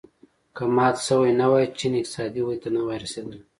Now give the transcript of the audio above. که مات شوی نه وای چین اقتصادي ودې ته نه وای رسېدلی.